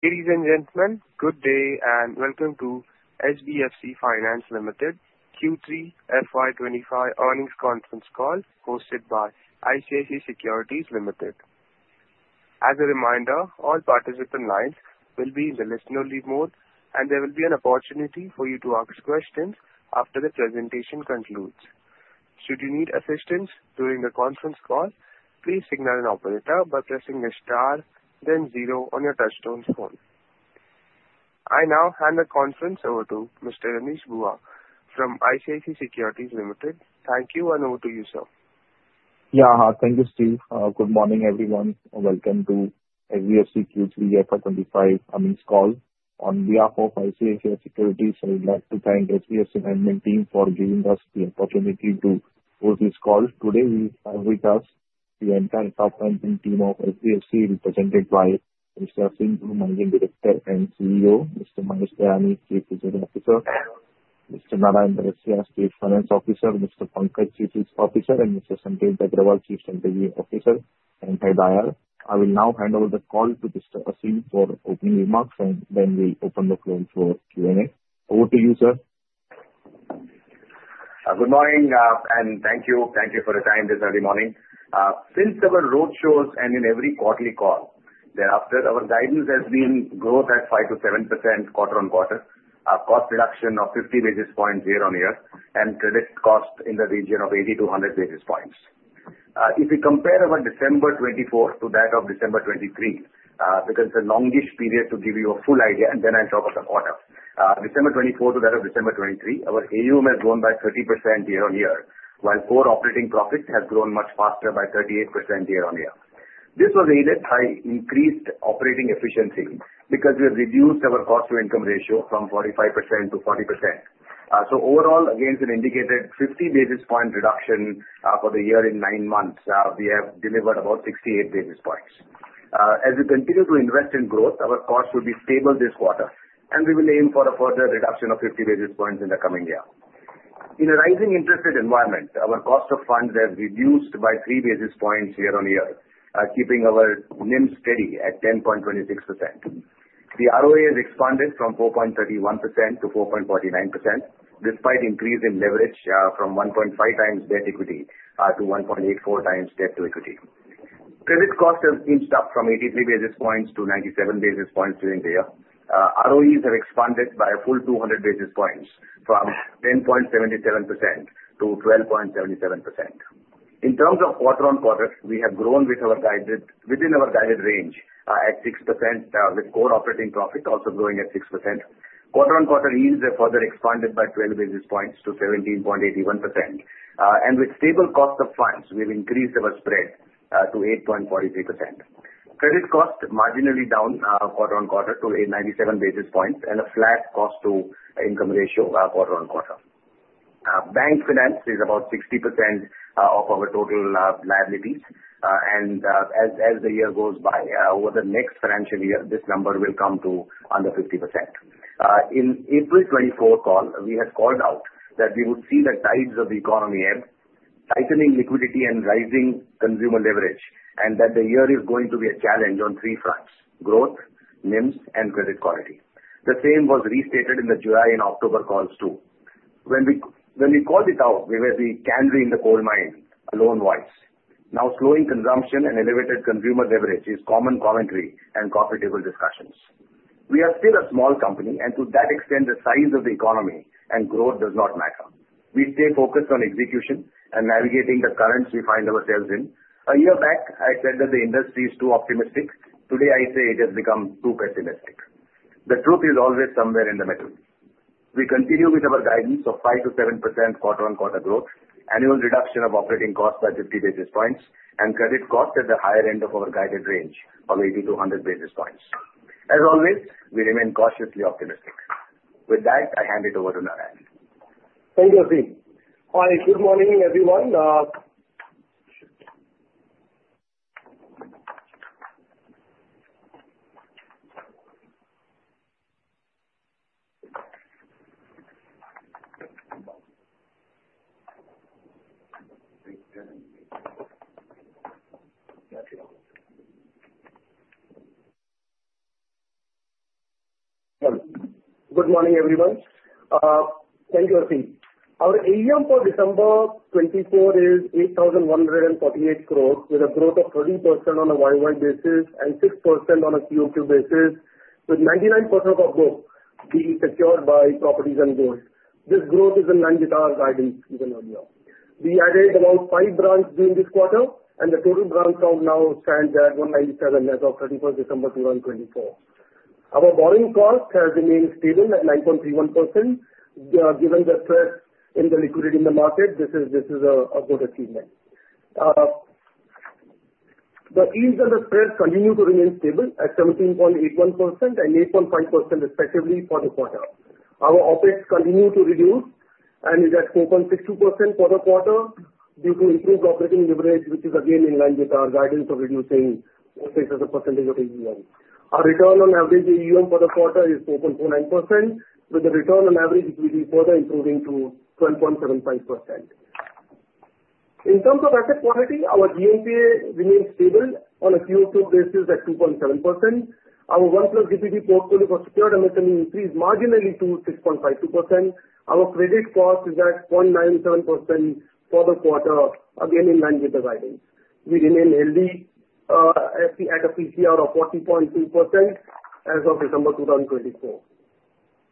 Ladies and gentlemen, good day and welcome to SBFC Finance Limited Q3 FY25 earnings conference call hosted by ICICI Securities Limited. As a reminder, all participant lines will be in the listen-only mode, and there will be an opportunity for you to ask questions after the presentation concludes. Should you need assistance during the conference call, please signal an operator by pressing the star, then zero on your touchtone phone. I now hand the conference over to Mr. Renish Bhuva from ICICI Securities Limited. Thank you, and over to you, sir. Yeah, thank you, Steve. Good morning, everyone. Welcome to SBFC Q3 FY25 earnings call on behalf of ICICI Securities. I would like to thank SBFC Finance team for giving us the opportunity to host this call. Today, we have with us the entire top management team of SBFC, represented by Mr. Aseem Dhru, Managing Director and CEO, Mr. Mahesh Dayani, Chief Executive Officer, Mr. Narayan Barasia, Chief Financial Officer, Mr. Pankaj Poddar, Chief Risk Officer, and Mr. Sanjay Agarwal, Chief Strategy Officer and Head IR. I will now hand over the call to Mr. Aseem Dhru for opening remarks, and then we'll open the floor for Q&A. Over to you, sir. Good morning, and thank you for your time, Mr. Renish. Morning. Since our roadshows and in every quarterly call thereafter, our guidance has been growth at 5-7% quarter on quarter, cost reduction of 50 basis points year on year, and credit cost in the region of 80-100 basis points. If you compare our December 2024 to that of December 2023, because it's a longish period to give you a full idea, and then I'll talk about the quarter, December 2024 to that of December 2023, our AUM has grown by 30% year on year, while core operating profit has grown much faster by 38% year on year. This was aided by increased operating efficiency because we have reduced our cost-to-income ratio from 45% to 40%. So overall, against an indicated 50 basis point reduction for the year in nine months, we have delivered about 68 basis points. As we continue to invest in growth, our costs will be stable this quarter, and we will aim for a further reduction of 50 basis points in the coming year. In a rising interest rate environment, our cost of funds has reduced by three basis points year on year, keeping our NIMs steady at 10.26%. The ROA has expanded from 4.31% to 4.49%, despite increase in leverage from 1.5 times debt equity to 1.84 times debt to equity. Credit cost has inched up from 83 basis points to 97 basis points during the year. ROEs have expanded by a full 200 basis points from 10.77% to 12.77%. In terms of quarter on quarter, we have grown within our guided range at 6%, with core operating profit also growing at 6%. Quarter on quarter yields have further expanded by 12 basis points to 17.81%, and with stable cost of funds, we have increased our spread to 8.43%. Credit cost marginally down quarter on quarter to 97 basis points and a flat cost-to-income ratio quarter on quarter. Bank finance is about 60% of our total liabilities, and as the year goes by, over the next financial year, this number will come to under 50%. In April 2024 call, we had called out that we would see the tides of the economy ebb, tightening liquidity and rising consumer leverage, and that the year is going to be a challenge on three fronts: growth, NIMs, and credit quality. The same was restated in the July and October calls too. When we called it out, we were the canary in the coal mine, a lone voice. Now, slowing consumption and elevated consumer leverage is common commentary and coffee table discussions. We are still a small company, and to that extent, the size of the economy and growth does not matter. We stay focused on execution and navigating the currents we find ourselves in. A year back, I said that the industry is too optimistic. Today, I say it has become too pessimistic. The truth is always somewhere in the middle. We continue with our guidance of 5%-7% quarter on quarter growth, annual reduction of operating cost by 50 basis points, and credit cost at the higher end of our guided range of 80-100 basis points. As always, we remain cautiously optimistic. With that, I hand it over to Narayan. Thank you, Aseem. Hi, good morning, everyone. Good morning, everyone. Thank you, Aseem. Our AUM for December 24 is 8,148 crores, with a growth of 30% on a YoY basis and 6% on a QoQ basis, with 99% of both being secured by properties and gold. This growth is in line with our guidance given earlier. We added about five branches during this quarter, and the total branch count now stands at 197 as of 31st December 2024. Our borrowing cost has remained stable at 9.31%. Given the tightness in the liquidity in the market, this is a good achievement. The yield and spread continues to remain stable at 17.81% and 8.5% respectively for the quarter. Our OPEX continues to reduce and is at 4.62% for the quarter due to improved operating leverage, which is again in line with our guidance of reducing OPEX as a percentage of AUM. Our return on average AUM for the quarter is 4.49%, with the return on average equity further improving to 12.75%. In terms of asset quality, our GNPA remains stable on a QoQ basis at 2.7%. Our 1+ DPD portfolio for secured MSME increased marginally to 6.52%. Our credit cost is at 0.97% for the quarter, again in line with the guidance. We remain healthy at a PCR of 40.2% as of December 2024.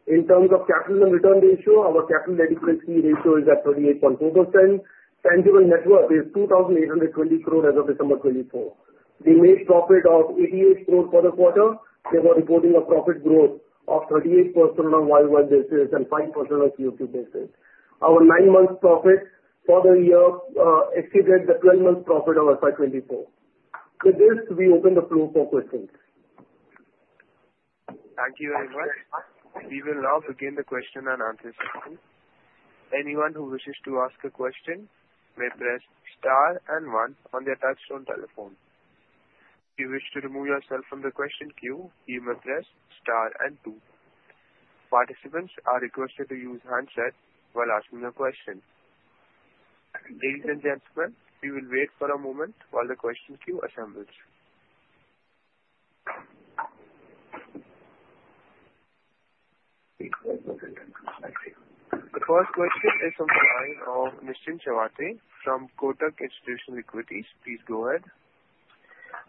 In terms of capital and return ratio, our capital adequacy ratio is at 38.2%. Tangible net worth is 2,820 crores as of December 24. We made profit of 88 crores for the quarter. We were reporting a profit growth of 38% on YoY basis and 5% on QoQ basis. Our nine-month profit for the year exceeded the 12-month profit of FY24. With this, we open the floor for questions. Thank you very much. We will now begin the question and answer session. Anyone who wishes to ask a question may press star and one on their touch-tone telephone. If you wish to remove yourself from the question queue, you may press star and two. Participants are requested to use handset while asking a question. Ladies and gentlemen, we will wait for a moment while the question queue assembles. The first question is from the line of Nischint Chawathe from Kotak Institutional Equities. Please go ahead.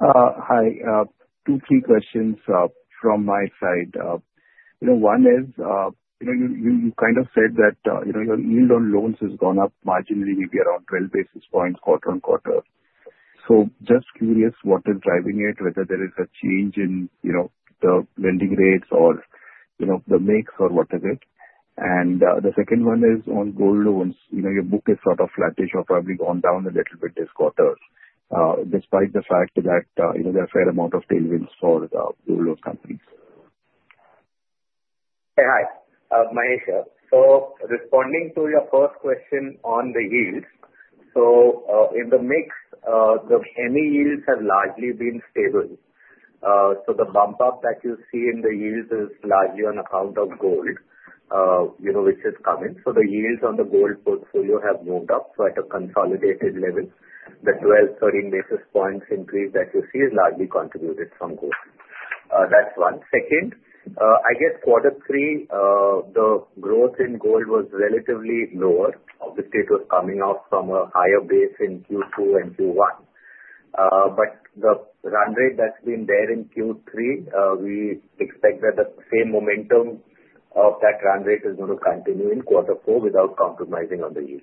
Hi. Two, three questions from my side. One is, you kind of said that your yield on loans has gone up marginally, maybe around 12 basis points quarter on quarter. So just curious what is driving it, whether there is a change in the lending rates or the mix or what is it? And the second one is on gold loans. Your book is sort of flattish or probably gone down a little bit this quarter, despite the fact that there are a fair amount of tailwinds for gold loan companies. Hi, Mahesh. So, responding to your first question on the yields, so in the mix, any yields have largely been stable. So, the bump up that you see in the yields is largely on account of gold, which is coming. So, the yields on the gold portfolio have moved up to a consolidated level. The 12-13 basis points increase that you see is largely contributed from gold. That's one. Second, I guess quarter three, the growth in gold was relatively lower. Obviously, it was coming off from a higher base in Q2 and Q1. But the run rate that's been there in Q3, we expect that the same momentum of that run rate is going to continue in quarter four without compromising on the yield.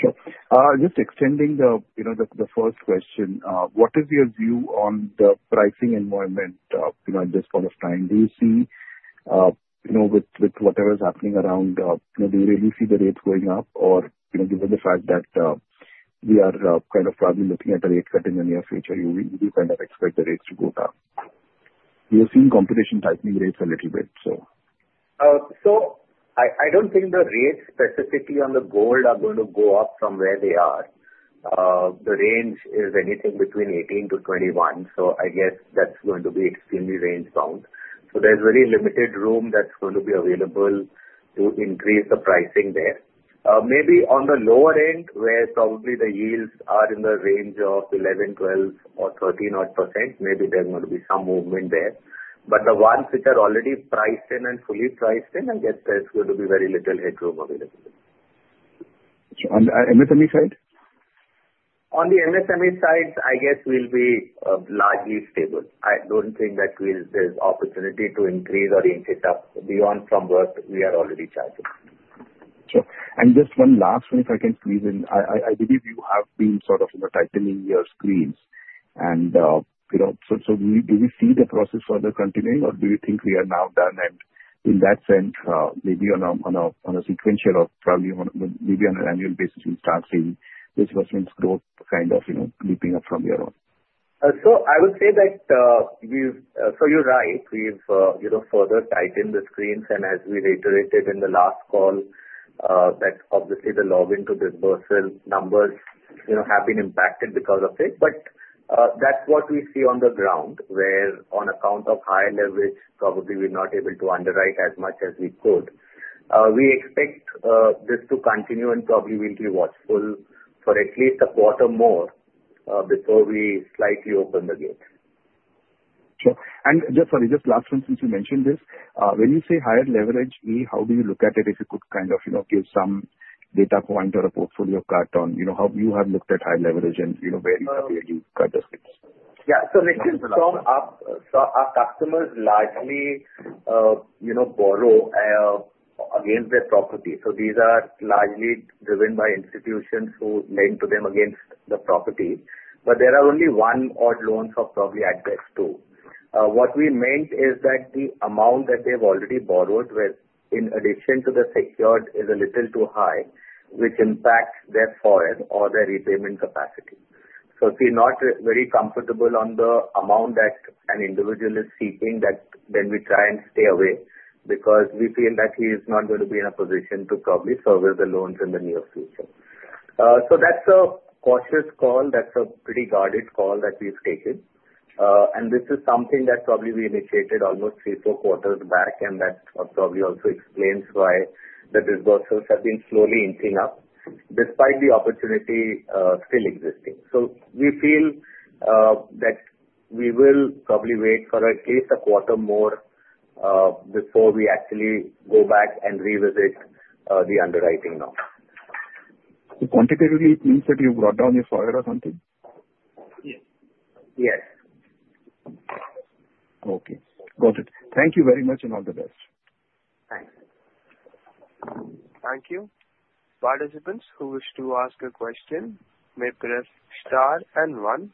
Sure. Just extending the first question, what is your view on the pricing environment at this point of time? Do you see, with whatever is happening around, do you really see the rates going up? Or given the fact that we are kind of probably looking at a rate cut in the near future, you do kind of expect the rates to go down? We have seen competition tightening rates a little bit, so. I don't think the rates specifically on the gold are going to go up from where they are. The range is anything between 18%-21%. I guess that's going to be extremely range bound. There's very limited room that's going to be available to increase the pricing there. Maybe on the lower end, where probably the yields are in the range of 11, 12, or 13-odd%, maybe there's going to be some movement there. But the ones which are already priced in and fully priced in, I guess there's going to be very little headroom available. On the MSME side? On the MSME side, I guess we'll be largely stable. I don't think that there's opportunity to increase or increase up beyond from what we are already charging. Sure. And just one last one, if I can squeeze in. I believe you have been sort of tightening your screens. And so do we see the process further continuing, or do you think we are now done? And in that sense, maybe on a sequential of probably on an annual basis, we start seeing this investment's growth kind of leaping up from year on? So I would say that we've, so you're right. We've further tightened the screens. And as we reiterated in the last call, that obviously the login to disbursal numbers have been impacted because of it. But that's what we see on the ground, where on account of high leverage, probably we're not able to underwrite as much as we could. We expect this to continue and probably we'll be watchful for at least a quarter more before we slightly open the gate. Sure. And just sorry, just last one since you mentioned this. When you say higher leverage, how do you look at it? If you could kind of give some data point or a portfolio cut on how you have looked at high leverage and where you have cut the screens? Yeah. So Nischint, so our customers largely borrow against their property. So these are largely driven by institutions who lend to them against the property. But there are only one or two loans of probably at best two. What we meant is that the amount that they've already borrowed, in addition to the secured, is a little too high, which impacts their FOIR or their repayment capacity. So if we're not very comfortable on the amount that an individual is seeking, then we try and stay away because we feel that he is not going to be in a position to probably service the loans in the near future. So that's a cautious call. That's a pretty guarded call that we've taken. And this is something that probably we initiated almost three or four quarters back, and that probably also explains why the disbursals have been slowly inching up, despite the opportunity still existing. So we feel that we will probably wait for at least a quarter more before we actually go back and revisit the underwriting now. Quantitatively, it means that you've brought down your FOIR or something? Yes. Yes. Okay. Got it. Thank you very much and all the best. Thanks. Thank you. Participants who wish to ask a question may press star and one.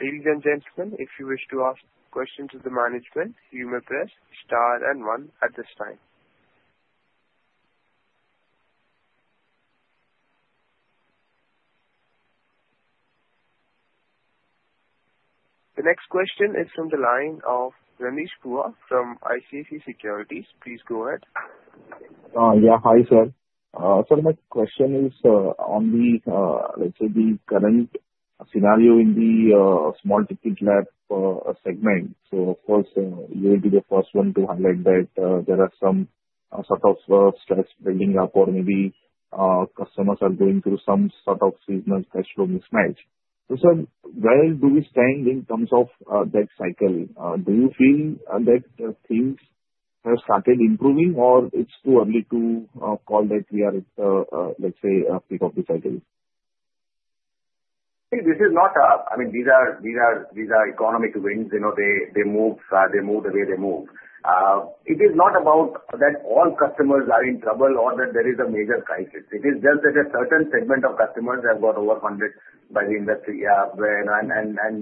Ladies and gentlemen, if you wish to ask questions of the management, you may press star and one at this time. The next question is from the line of Renish Bhuva from ICICI Securities. Please go ahead. Yeah. Hi, sir. So my question is on the, let's say, the current scenario in the small ticket LAP segment. So of course, you will be the first one to highlight that there are some sort of stress building up, or maybe customers are going through some sort of seasonal cash flow mismatch. So sir, where do we stand in terms of that cycle? Do you feel that things have started improving, or it's too early to call that we are, let's say, at the peak of the cycle? See, this is not. I mean, these are economic winds. They move the way they move. It is not about that all customers are in trouble or that there is a major crisis. It is just that a certain segment of customers have got overfunded by the industry, and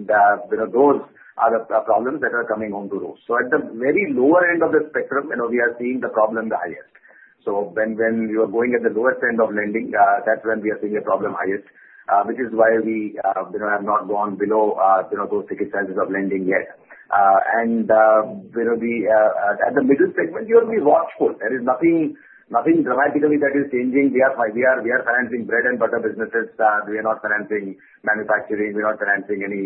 those are the problems that are coming home to those, so at the very lower end of the spectrum, we are seeing the problem the highest, so when you are going at the lowest end of lending, that's when we are seeing the problem highest, which is why we have not gone below those ticket sizes of lending yet, and at the middle segment, you have to be watchful. There is nothing dramatically that is changing. We are financing bread-and-butter businesses. We are not financing manufacturing. We are not financing any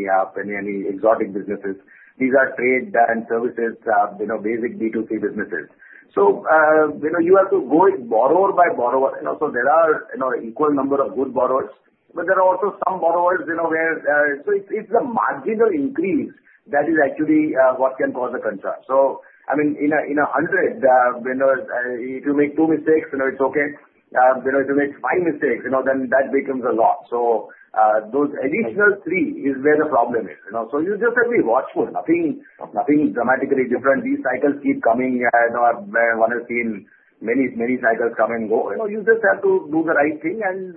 exotic businesses. These are trade and services, basic B2C businesses. So you have to go borrower by borrower. So there are an equal number of good borrowers, but there are also some borrowers where, so it's the marginal increase that is actually what can cause the concern. So I mean, in a hundred, if you make two mistakes, it's okay. If you make five mistakes, then that becomes a lot. So those additional three is where the problem is. So you just have to be watchful. Nothing dramatically different. These cycles keep coming. I don't know if one has seen many, many cycles come and go. You just have to do the right thing and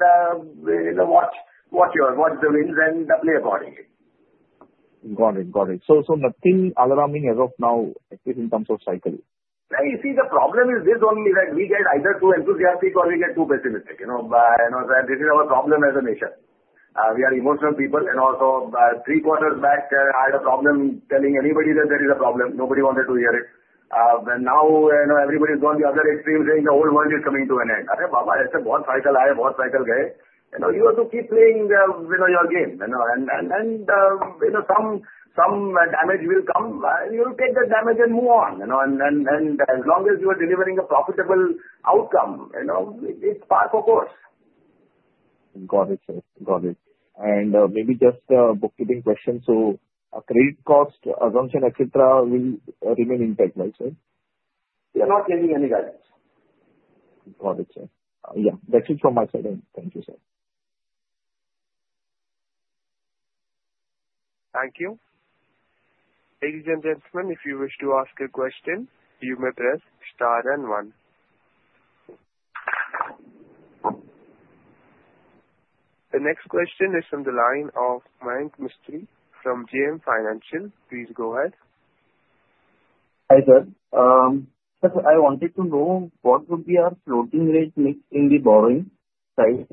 watch the winds and play accordingly. Got it. Got it. So nothing alarming as of now, at least in terms of cycle? You see, the problem is this only that we get either too enthusiastic or we get too pessimistic. This is our problem as a nation. We are emotional people, and also, three quarters back, I had a problem telling anybody that there is a problem. Nobody wanted to hear it, and now everybody's gone to the other extreme, saying the whole world is coming to an end. Arreh, baba, ऐसे बहुत cycle आए, बहुत cycle गए. You have to keep playing your game, and then some damage will come. You will take that damage and move on, and as long as you are delivering a profitable outcome, it's part of course. Got it, sir. Got it. And maybe just a bookkeeping question. So credit cost assumption, etc., will remain intact, right, sir? We are not changing any guidance. Got it, sir. Yeah. That's it from my side. Thank you, sir. Thank you. Ladies and gentlemen, if you wish to ask a question, you may press star and one. The next question is from the line of Mayank Mistry from JM Financial. Please go ahead. Hi, sir. So I wanted to know what would be our floating rate mix in the borrowing side.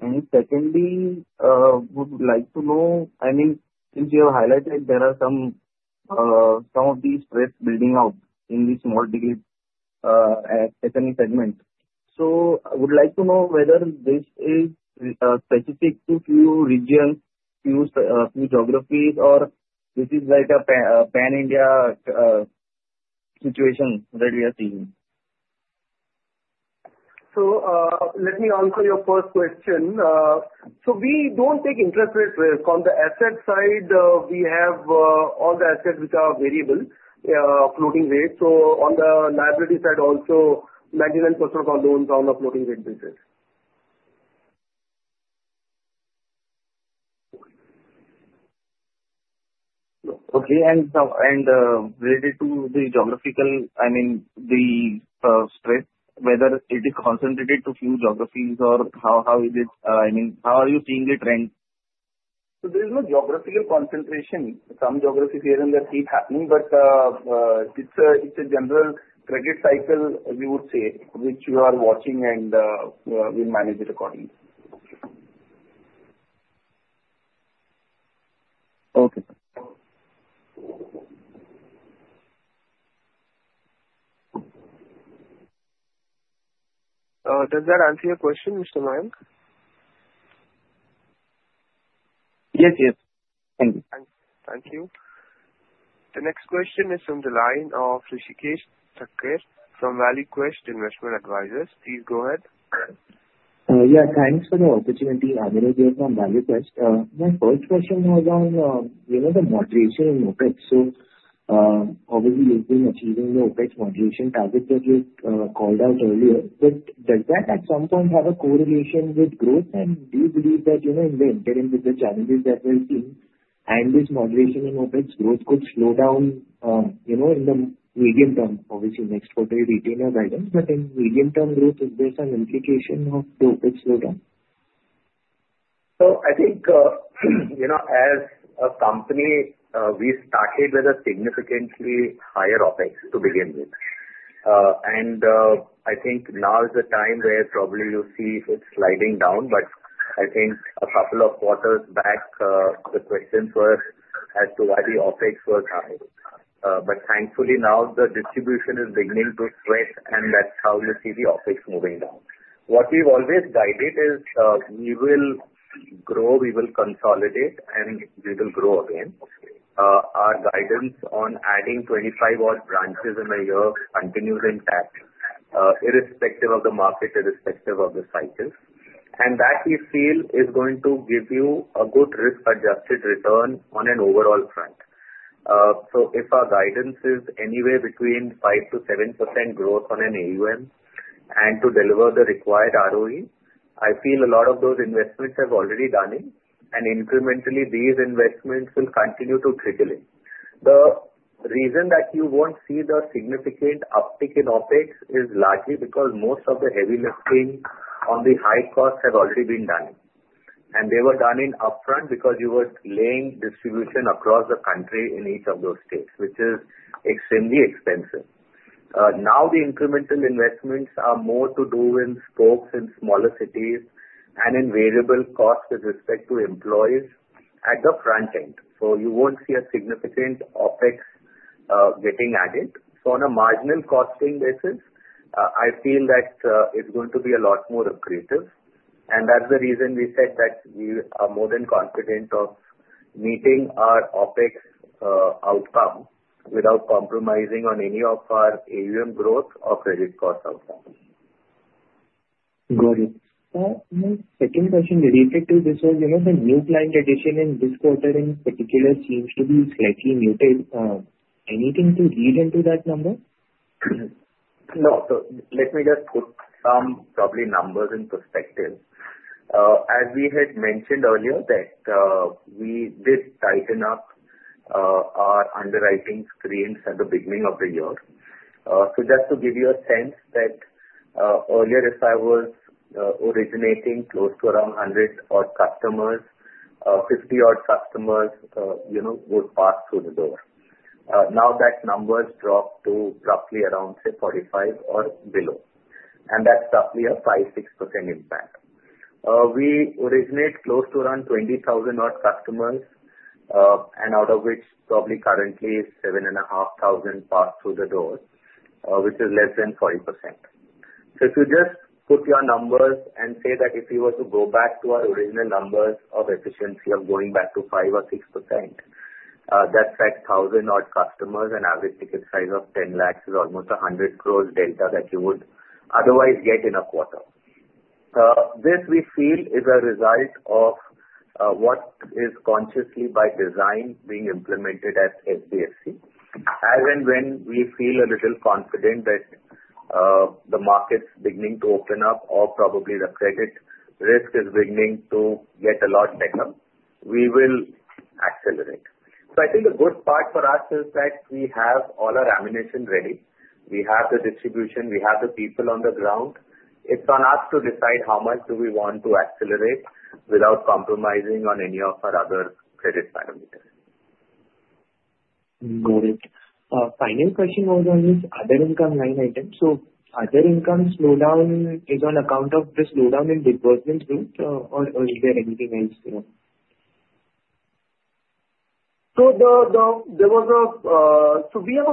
And secondly, I would like to know, I mean, since you have highlighted there are some of these threats building up in the small ticket SME segment. So I would like to know whether this is specific to a few regions, few geographies, or this is like a pan-India situation that we are seeing. So let me answer your first question. So we don't take interest rate risk. On the asset side, we have all the assets which are variable, floating rate. So on the liability side also, 99% of our loans are on a floating rate basis. Okay. And related to the geographical, I mean, the stress, whether it is concentrated to few geographies or how is it? I mean, how are you seeing the trend? So there is no geographical concentration. Some geographies here and there keep happening, but it's a general credit cycle, we would say, which we are watching and we'll manage it accordingly. Okay. Does that answer your question, Mr. Mayank? Yes, yes. Thank you. Thank you. The next question is from the line Hrishikesh Thakker from ValueQuest Investment Advisors. Please go ahead. Yeah. Thanks for the opportunity. Hrishikesh here from ValueQuest. My first question was on the moderation in OpEx. So obviously, you've been achieving the OpEx moderation target that you called out earlier. But does that at some point have a correlation with growth? And do you believe that in the interim with the challenges that we've seen, and this moderation in OpEx growth could slow down in the medium term? Obviously, next quarter you retain your guidance, but in medium-term growth, is there some implication of the OpEx slowdown? I think as a company, we started with a significantly higher OpEx to begin with. And I think now is the time where probably you'll see it's sliding down. But I think a couple of quarters back, the questions were as to why the OpEx was high. But thankfully, now the distribution is beginning to sweat, and that's how you see the OpEx moving down. What we've always guided is we will grow, we will consolidate, and we will grow again. Our guidance on adding 25-odd branches in a year continues intact, irrespective of the market, irrespective of the cycles. And that we feel is going to give you a good risk-adjusted return on an overall front. So if our guidance is anywhere between 5%-7% growth on an AUM and to deliver the required ROE, I feel a lot of those investments have already done it. Incrementally, these investments will continue to trickle in. The reason that you won't see the significant uptick in OpEx is largely because most of the heavy lifting on the high cost has already been done, and they were done upfront because you were laying distribution across the country in each of those states, which is extremely expensive. Now the incremental investments are more to do with spokes in smaller cities and in variable costs with respect to employees at the front end, so you won't see a significant OpEx getting added, so on a marginal costing basis, I feel that it's going to be a lot more creative, and that's the reason we said that we are more than confident of meeting our OpEx outcome without compromising on any of our AUM growth or credit cost outcome. Got it. My second question related to this was the new client addition in this quarter in particular seems to be slightly muted. Anything to lead into that number? No. So let me just put some probable numbers in perspective. As we had mentioned earlier, that we did tighten up our underwriting screens at the beginning of the year. So just to give you a sense that earlier, if I was originating close to around 100-odd customers, 50-odd customers would pass through the door. Now that numbers dropped to roughly around, say, 45 or below. And that's roughly a 5%-6% impact. We originate close to around 20,000-odd customers, and out of which probably currently 7,500 passed through the door, which is less than 40%. So if you just put your numbers and say that if you were to go back to our original numbers of efficiency of going back to 5% or 6%, that's like 1,000-odd customers, and average ticket size of 1,000,000 is almost 1,000,000,000 delta that you would otherwise get in a quarter. This we feel is a result of what is consciously by design being implemented at SBFC, as and when we feel a little confident that the market's beginning to open up or probably the credit risk is beginning to get a lot better, we will accelerate. So I think the good part for us is that we have all our ammunition ready. We have the distribution. We have the people on the ground. It's on us to decide how much do we want to accelerate without compromising on any of our other credit parameters. Got it. Final question was on this other income line item. So other income slowdown is on account of the slowdown in disbursement growth, or is there anything else? We have a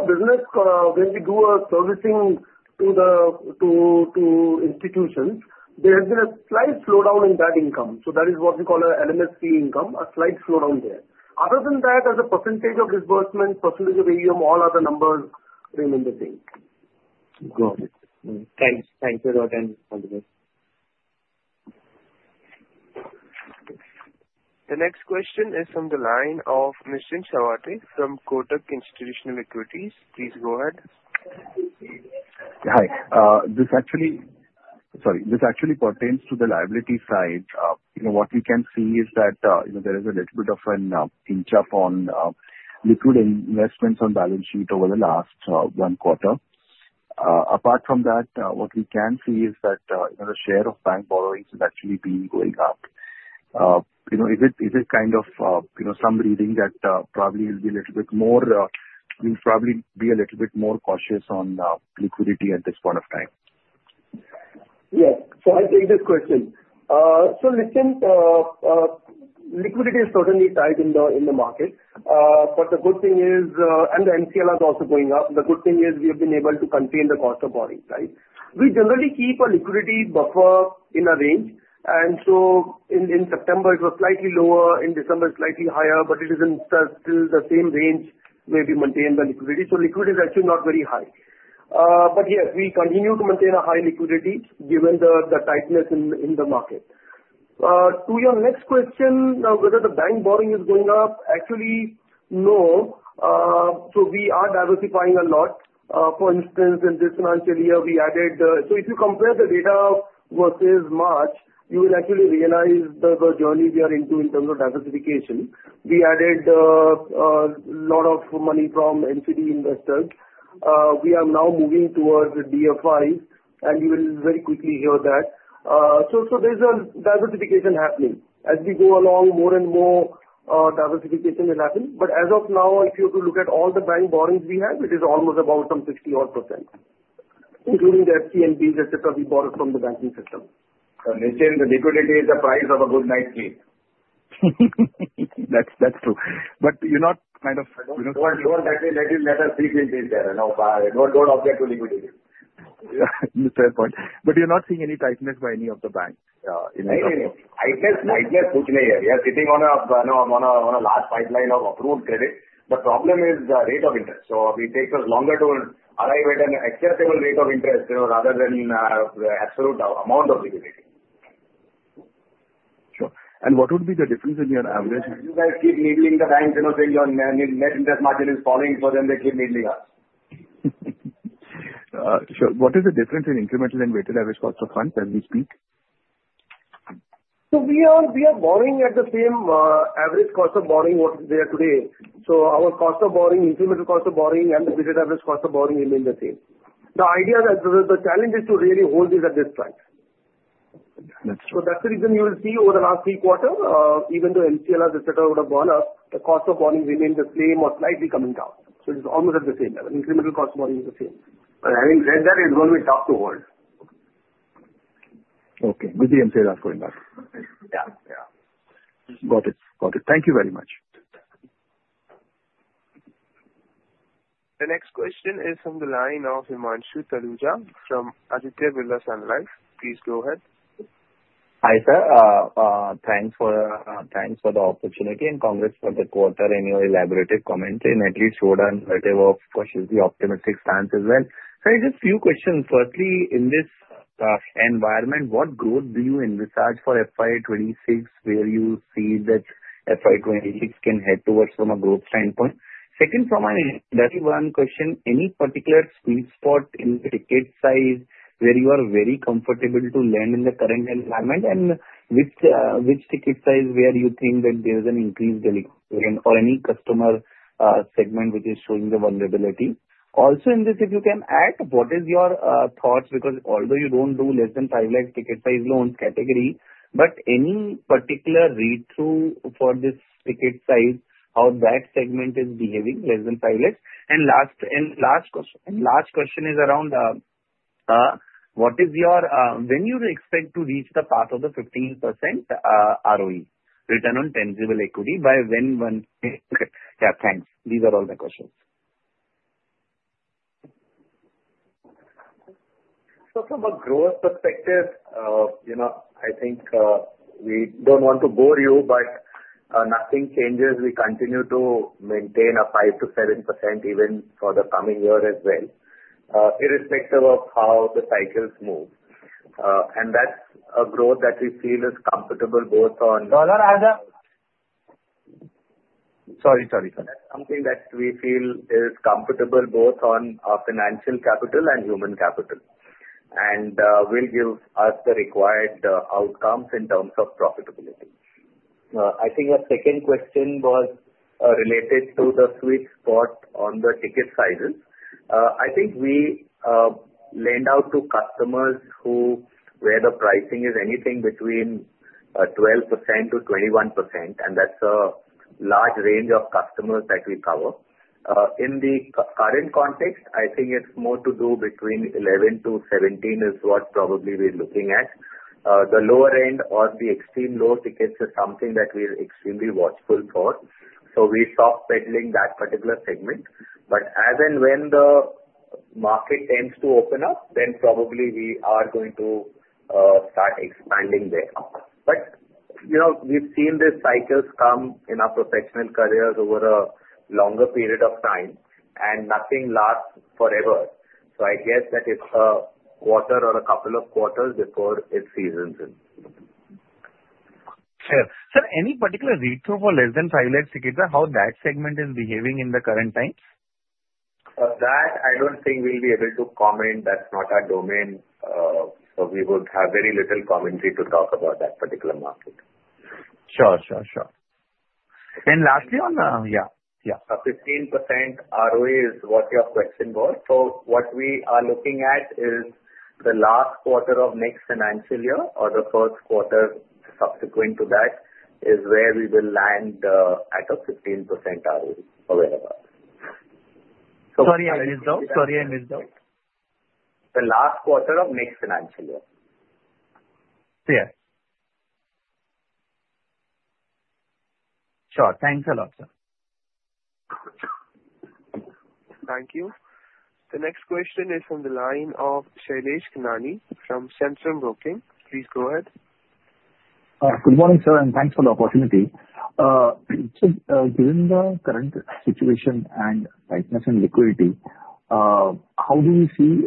business when we do servicing to institutions. There has been a slight slowdown in that income. So that is what we call an LMS fee income, a slight slowdown there. Other than that, as a percentage of disbursement, percentage of AUM, all other numbers remain the same. Got it. Thanks. Thank you a lot, and all the best. The next question is from the line of Mr. Nischint Chawathe from Kotak Institutional Equities. Please go ahead. Hi. This actually pertains to the liability side. What we can see is that there is a little bit of an inch up on liquid investments on balance sheet over the last one quarter. Apart from that, what we can see is that the share of bank borrowings is actually going up. Is it kind of some reading that probably we'll be a little bit more cautious on liquidity at this point of time? Yes. So I take this question. So listen, liquidity is certainly tight in the market. But the good thing is, and the MCLR is also going up, the good thing is we have been able to contain the cost of borrowing, right? We generally keep a liquidity buffer in a range. And so in September, it was slightly lower. In December, it's slightly higher, but it is still the same range where we maintain the liquidity. So liquidity is actually not very high. But yes, we continue to maintain a high liquidity given the tightness in the market. To your next question, whether the bank borrowing is going up, actually, no. So we are diversifying a lot. For instance, in this financial year, we added so if you compare the data versus March, you will actually realize the journey we are into in terms of diversification. We added a lot of money from NCD investors. We are now moving towards DFI, and you will very quickly hear that. So there's a diversification happening. As we go along, more and more diversification will happen. But as of now, if you look at all the bank borrowings we have, it is almost about some 60-odd%, including the FCNBs, etc., we borrowed from the banking system. So listen, the liquidity is the price of a good night's sleep. That's true. But you're not kind of. Don't let us be guilty there. Don't object to liquidity. That's a fair point. But you're not seeing any tightness by any of the banks in the banking sector? Anyway, tightness. Who's there? We are sitting on a large pipeline of approved credit. The problem is the rate of interest, so it takes us longer to arrive at an acceptable rate of interest rather than the absolute amount of liquidity. Sure. And what would be the difference in your average? You guys keep needling the banks and saying your net interest margin is falling for them. They keep needling us. Sure. What is the difference in incremental and weighted average cost of funds as we speak? So we are borrowing at the same average cost of borrowing what we are today. So our cost of borrowing, incremental cost of borrowing, and the weighted average cost of borrowing remain the same. The idea that the challenge is to really hold this at this price. That's true. So that's the reason you will see over the last three quarters, even though MCLRs, etc., would have gone up, the cost of borrowing remained the same or slightly coming down, so it's almost at the same level. Incremental cost of borrowing is the same. But having said that, it's going to be tough to hold. Okay. With the MCLRs going up. Yeah, yeah. Got it. Got it. Thank you very much. The next question is from the line of Himanshu Taluja from Aditya Birla Sun Life AMC. Please go ahead. Hi, sir. Thanks for the opportunity and congrats for the quarter and your elaborative commentary. And at least you would have whatever pushes the optimistic stance as well. So I have just a few questions. Firstly, in this environment, what growth do you envisage for FY26 where you see that FY26 can head towards from a growth standpoint? Second, from an industry-wide question, any particular sweet spot in ticket size where you are very comfortable to land in the current environment? And which ticket size where you think that there is an increased delinquency or any customer segment which is showing the vulnerability? Also in this, if you can add, what is your thoughts? Because although you don't do less than five lakh ticket size loans category, but any particular read-through for this ticket size, how that segment is behaving, less than five lakh? Last question is around what is your when you expect to reach the path of the 15% ROE, return on tangible equity, by when? Yeah, thanks. These are all my questions. From a growth perspective, I think we don't want to bore you, but nothing changes. We continue to maintain a 5%-7% even for the coming year as well, irrespective of how the cycles move. And that's a growth that we feel is comfortable both on. Deliver as a? Sorry, sorry, sorry. That's something that we feel is comfortable both on financial capital and human capital, and will give us the required outcomes in terms of profitability. I think your second question was related to the sweet spot on the ticket sizes. I think we lend out to customers where the pricing is anything between 12%-21%, and that's a large range of customers that we cover. In the current context, I think it's more to do between 11%-17% is what probably we're looking at. The lower end or the extreme low tickets is something that we're extremely watchful for. So we're soft-pedaling that particular segment. But as and when the market tends to open up, then probably we are going to start expanding there. But we've seen these cycles come in our professional careers over a longer period of time, and nothing lasts forever. So I guess that it's a quarter or a couple of quarters before it seasons in. Sir, any particular read-through for less than 5 lakh tickets, how that segment is behaving in the current times? That I don't think we'll be able to comment. That's not our domain. So we would have very little commentary to talk about that particular market. Sure, sure, sure. And lastly on the yeah, yeah. 15% ROE is what your question was. So what we are looking at is the last quarter of next financial year or the Q1 subsequent to that is where we will land at a 15% ROE, away from us. Sorry, I missed out. Sorry, I missed out. The last quarter of next financial year. Yes. Sure. Thanks a lot, sir. Thank you. The next question is from the line of Shailesh Kanani from Centrum Broking. Please go ahead. Good morning, sir, and thanks for the opportunity. Given the current situation and tightness in liquidity, how do you see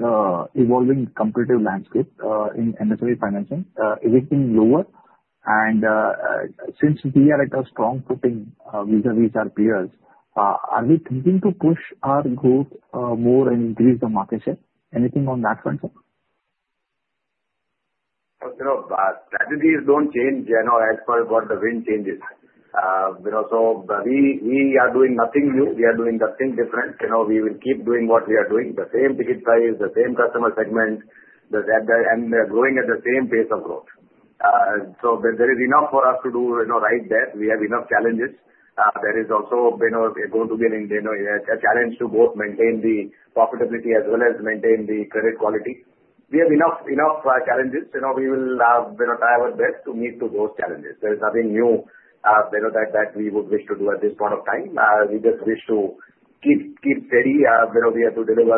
evolving the competitive landscape in MSME financing? Is it being lower? Since we are at a strong footing vis-à-vis our peers, are we thinking to push our growth more and increase the market share? Anything on that front, sir? Strategies don't change, as far as what the wind changes. So we are doing nothing new. We are doing nothing different. We will keep doing what we are doing, the same ticket size, the same customer segment, and growing at the same pace of growth. So there is enough for us to do right there. We have enough challenges. There is also going to be a challenge to both maintain the profitability as well as maintain the credit quality. We have enough challenges. We will try our best to meet those challenges. There is nothing new that we would wish to do at this point of time. We just wish to keep steady. We have to deliver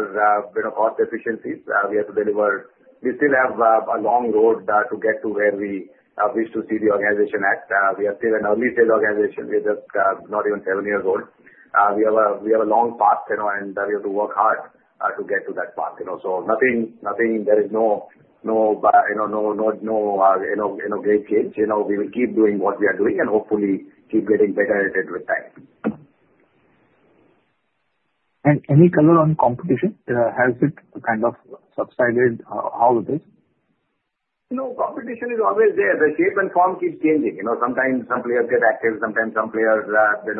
cost efficiencies. We have to deliver. We still have a long road to get to where we wish to see the organization at. We are still an early-stage organization. We are just not even seven years old. We have a long path, and we have to work hard to get to that path. So, nothing there. There is no great change. We will keep doing what we are doing and hopefully keep getting better at it with time. Any color on competition? Has it kind of subsided? How is it? No. Competition is always there. The shape and form keeps changing. Sometimes some players get active. Sometimes some players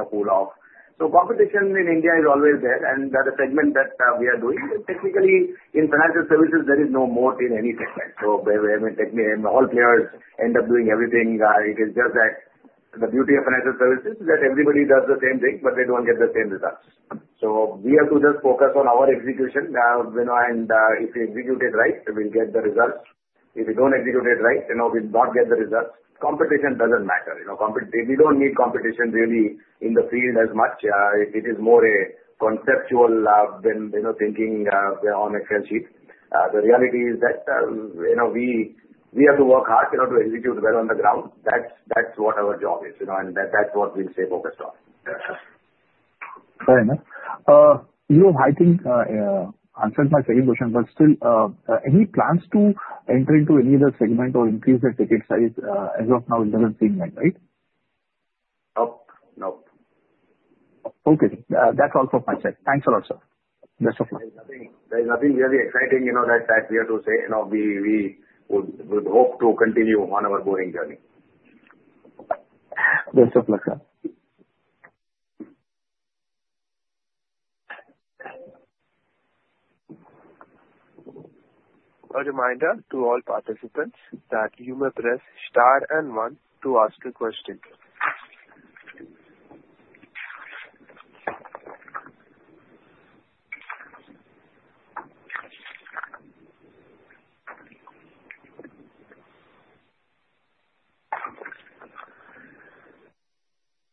cool off. So competition in India is always there. And the segment that we are doing, technically, in financial services, there is no moat in any segment. So all players end up doing everything. It is just that the beauty of financial services is that everybody does the same thing, but they don't get the same results. So we have to just focus on our execution. And if we execute it right, we'll get the results. If we don't execute it right, we'll not get the results. Competition doesn't matter. We don't need competition really in the field as much. It is more a conceptual than thinking on Excel sheet. The reality is that we have to work hard to execute well on the ground. That's what our job is, and that's what we'll stay focused on. Fair enough. You have answered my second question, but still, any plans to enter into any other segment or increase the ticket size? As of now, it doesn't seem like, right? No. No. Okay. That's all from my side. Thanks a lot, sir. Best of luck. There's nothing really exciting that we have to say. We would hope to continue on our boring journey. Best of luck, sir. A reminder to all participants that you may press star and one to ask a question.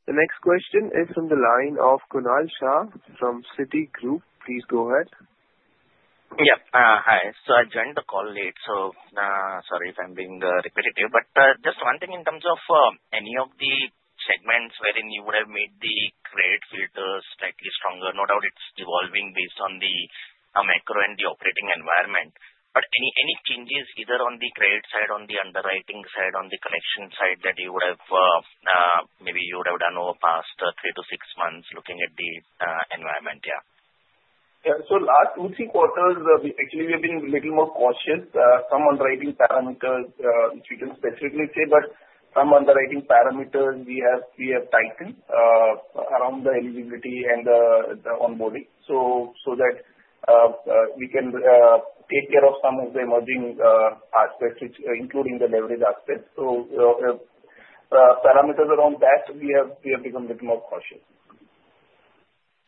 The next question is from the line of Kunal Shah from Citigroup. Please go ahead. Yeah. Hi. So I joined the call late. So sorry if I'm being repetitive. But just one thing in terms of any of the segments wherein you would have made the credit filters slightly stronger. No doubt it's evolving based on the macro and the operating environment. But any changes either on the credit side, on the underwriting side, on the collection side that you would have maybe done over the past three to six months looking at the environment? Yeah. Yeah. So last two, three quarters, actually, we have been a little more cautious. Some underwriting parameters, which we can specifically say, but some underwriting parameters we have tightened around the eligibility and the onboarding so that we can take care of some of the emerging aspects, including the leverage aspects. So parameters around that, we have become a bit more cautious.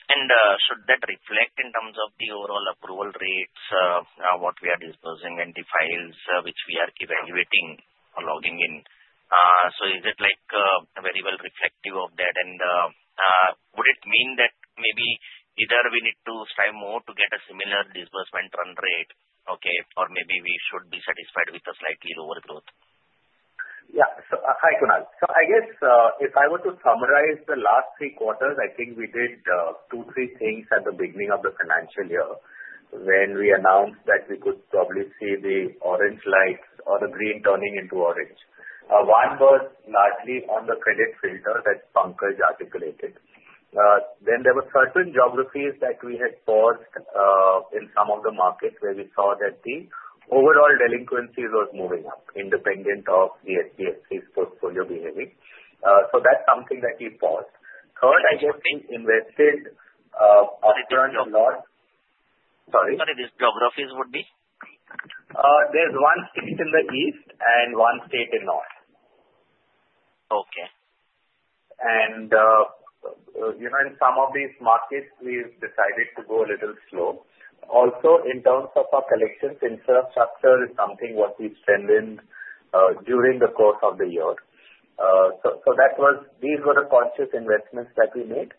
And should that reflect in terms of the overall approval rates, what we are disbursing, and the files which we are evaluating or logging in? So is it very well reflective of that? And would it mean that maybe either we need to strive more to get a similar disbursement run rate, okay, or maybe we should be satisfied with a slightly lower growth? Yeah. So, hi, Kunal. So, I guess if I were to summarize the last three quarters, I think we did two, three things at the beginning of the financial year when we announced that we could probably see the orange lights or the green turning into orange. One was largely on the credit filter that Pankaj articulated. Then there were certain geographies that we had paused in some of the markets where we saw that the overall delinquency was moving up, independent of the SBFC's portfolio behaving. So that's something that we paused. Third, I guess we invested upfront a lot. Sorry? Sorry. These geographies would be? There's one state in the east and one state in the north. Okay. In some of these markets, we've decided to go a little slow. Also, in terms of our collections, infrastructure is something what we spend in during the course of the year. These were the conscious investments that we made.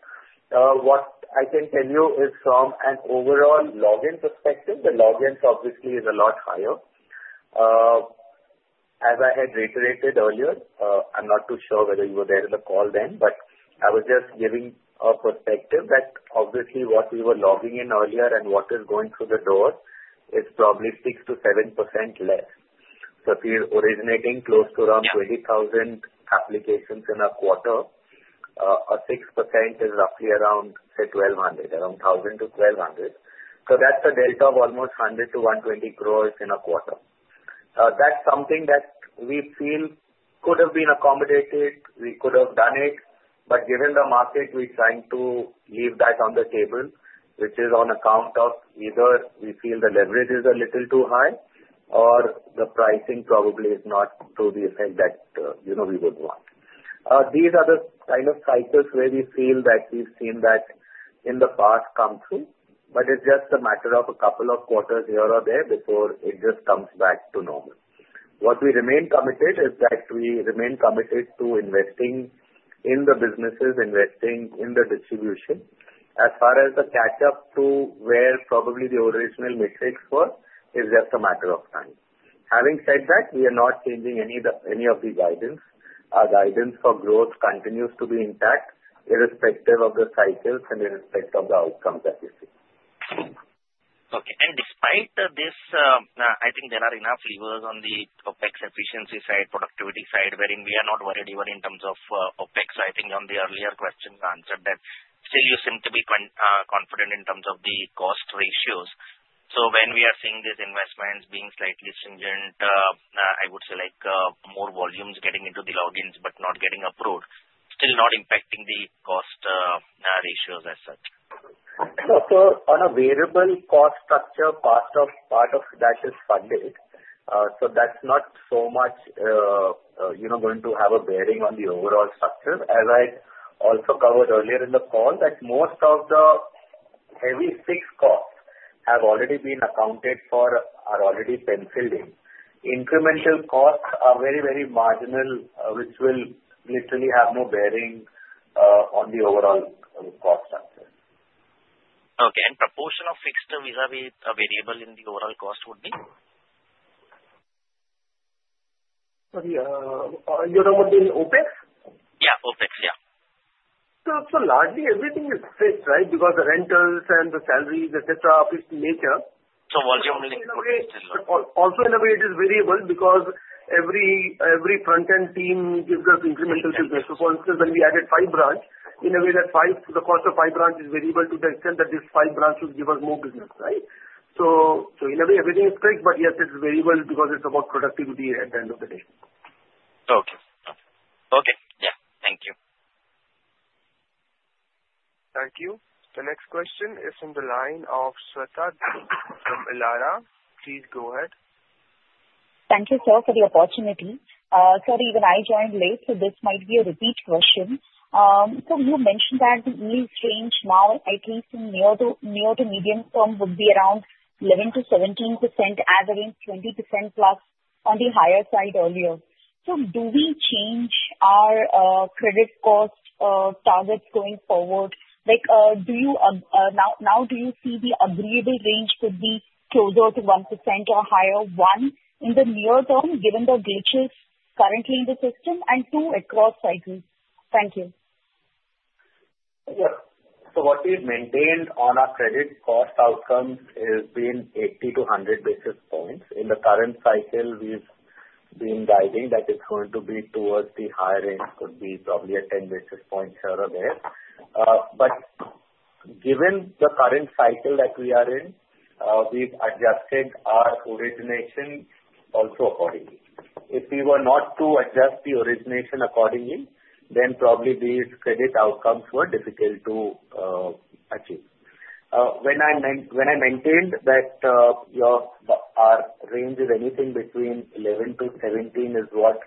What I can tell you is from an overall login perspective, the logins, obviously, are a lot higher. As I had reiterated earlier, I'm not too sure whether you were there in the call then, but I was just giving a perspective that, obviously, what we were logging in earlier and what is going through the door is probably 6%-7% less. If you're originating close to around 20,000 applications in a quarter, 6% is roughly around, say, 1,200, around 1,000-1,200. That's a delta of almost 100-120 crores in a quarter. That's something that we feel could have been accommodated. We could have done it. But given the market, we're trying to leave that on the table, which is on account of either we feel the leverage is a little too high or the pricing probably is not to the effect that we would want. These are the kind of cycles where we feel that we've seen that in the past come through, but it's just a matter of a couple of quarters here or there before it just comes back to normal. What we remain committed is that we remain committed to investing in the businesses, investing in the distribution. As far as the catch-up to where probably the original metrics were, it's just a matter of time. Having said that, we are not changing any of the guidance. Our guidance for growth continues to be intact, irrespective of the cycles and irrespective of the outcomes that we see. Okay. And despite this, I think there are enough levers on the OpEx efficiency side, productivity side, wherein we are not worried even in terms of OpEx. So I think on the earlier question you answered that, still, you seem to be confident in terms of the cost ratios. So when we are seeing these investments being slightly stringent, I would say more volumes getting into the logins but not getting approved, still not impacting the cost ratios as such. So on a variable cost structure, part of that is funded. So that's not so much going to have a bearing on the overall structure. As I also covered earlier in the call, that most of the heavy fixed costs have already been accounted for, are already penciled in. Incremental costs are very, very marginal, which will literally have no bearing on the overall cost structure. Okay. And proportion of fixed vis-à-vis variable in the overall cost would be? You don't want the OpEx? Yeah. OpEx. Yeah. So, largely, everything is fixed, right? Because the rentals and the salaries, etc., of its nature. Volume is still low. Also in a way, it is variable because every front-end team gives us incremental business. For instance, when we added five branches, in a way, the cost of five branches is variable to the extent that these five branches give us more business, right? So in a way, everything is fixed, but yes, it's variable because it's about productivity at the end of the day. Okay. Okay. Yeah. Thank you. Thank you. The next question is from the line of Shweta from Elara. Please go ahead. Thank you, sir, for the opportunity. Sorry, even I joined late, so this might be a repeat question. So you mentioned that the mean range now, at least in near to medium term, would be around 11%-17%, average 20% plus on the higher side earlier. So do we change our credit cost targets going forward? Now, do you see the agreeable range could be closer to 1% or higher? One, in the near term, given the glitches currently in the system, and two, across cycles? Thank you. Yes. So what we've maintained on our credit cost outcomes has been 80-100 basis points. In the current cycle, we've been guiding that it's going to be towards the higher end, could be probably a 10 basis points here or there. But given the current cycle that we are in, we've adjusted our origination also accordingly. If we were not to adjust the origination accordingly, then probably these credit outcomes were difficult to achieve. When I maintained that our range is anything between 11%-17% is what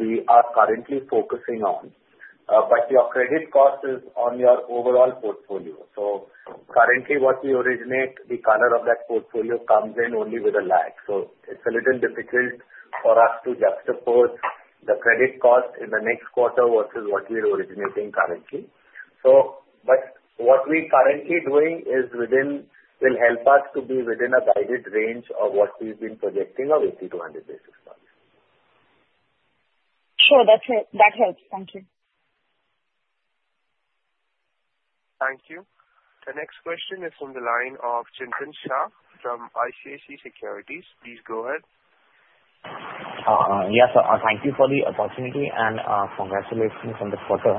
we are currently focusing on. But your credit cost is on your overall portfolio. So currently, what we originate, the color of that portfolio comes in only with a lag. So it's a little difficult for us to juxtapose the credit cost in the next quarter versus what we are originating currently. But what we're currently doing is within will help us to be within a guided range of what we've been projecting of 80-100 basis points. Sure. That helps. Thank you. Thank you. The next question is from the line of Chintan Shah from ICICI Securities. Please go ahead. Yes, sir. Thank you for the opportunity and congratulations on the quarter.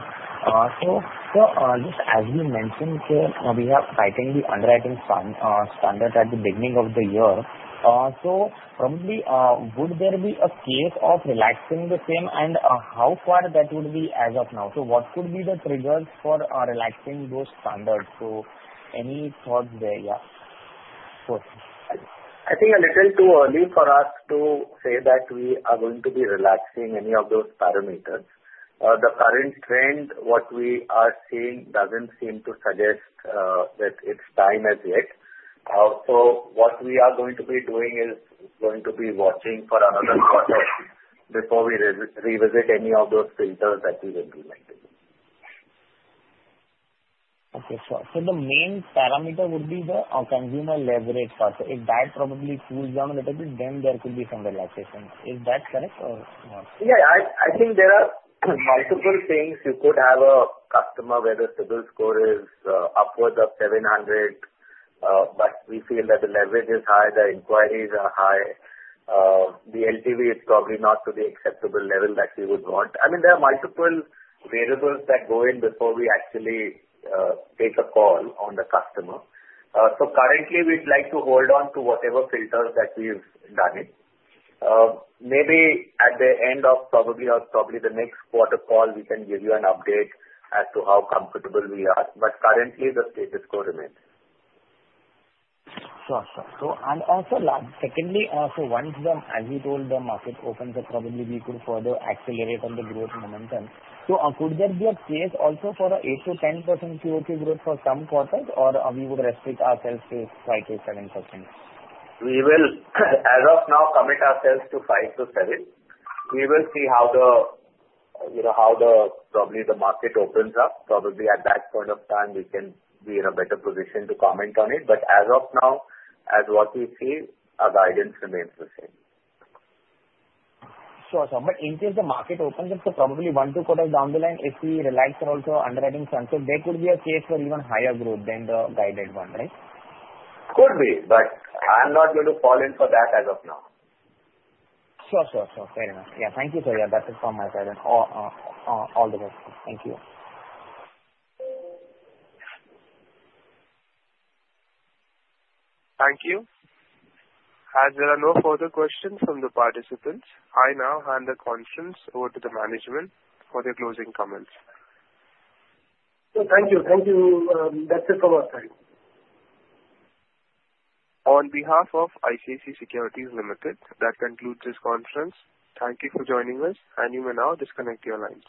So just as you mentioned here, we have tightened the underwriting standard at the beginning of the year. So probably, would there be a case of relaxing the same, and how far that would be as of now? So what could be the triggers for relaxing those standards? So any thoughts there? Yeah. I think it's a little too early for us to say that we are going to be relaxing any of those parameters. The current trend, what we are seeing, doesn't seem to suggest that it's time as yet. So what we are going to be doing is going to be watching for another quarter before we revisit any of those filters that we've implemented. Okay. So the main parameter would be the consumer leverage factor. If that probably cools down a little bit, then there could be some relaxation. Is that correct or not? Yeah. I think there are multiple things. You could have a customer where the CIBIL score is upward of 700, but we feel that the leverage is high, the inquiries are high. The LTV is probably not to the acceptable level that we would want. I mean, there are multiple variables that go in before we actually take a call on the customer. So currently, we'd like to hold on to whatever filters that we've done. Maybe at the end of probably the next quarter call, we can give you an update as to how comfortable we are. But currently, the status quo remains. Sure. Sure. So secondly, so once the, as you told, the market opens, probably we could further accelerate on the growth momentum. So could there be a case also for an 8%-10% QOQ growth for some quarters, or we would restrict ourselves to 5%-7%? We will, as of now, commit ourselves to 5%-7%. We will see how probably the market opens up. Probably at that point of time, we can be in a better position to comment on it. But as of now, as what we see, our guidance remains the same. Sure. Sure. But in case the market opens up, so probably one or two quarters down the line, if we relax also underwriting standard, there could be a case for even higher growth than the guided one, right? Could be, but I'm not going to fall in for that as of now. Sure. Sure. Sure. Fair enough. Yeah. Thank you, sir. Yeah. That's it from my side. All the best. Thank you. Thank you. As there are no further questions from the participants, I now hand the conference over to the management for their closing comments. So thank you. Thank you. That's it from our side. On behalf of ICICI Securities Limited, that concludes this conference. Thank you for joining us, and you may now disconnect your lines.